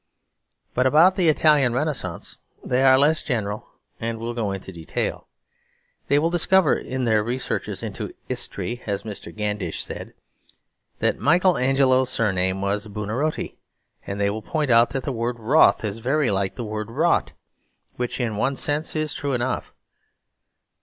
But about the Italian Renaissance they are less general and will go into detail. They will discover (in their researches into 'istry, as Mr. Gandish said) that Michael Angelo's surname was Buonarotti; and they will point out that the word "roth" is very like the word "rot." Which, in one sense, is true enough.